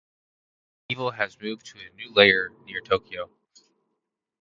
Evil has moved to a new lair near Tokyo.